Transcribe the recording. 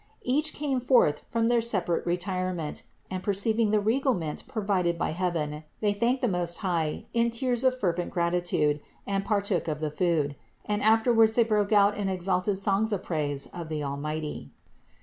Each came forth from their separate retirement and, per ceiving the regalement provided by heaven, they thanked the Most High in tears of fervent gratitude and partook of the food; and afterwards they broke out in exalted songs of praise of the Almighty.